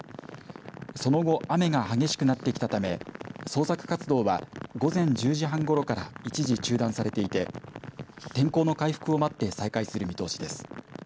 その後雨が激しくなってきたため捜索活動は午前１０時半ごろから一時中断されていて天候の回復を待って再開する見通しです。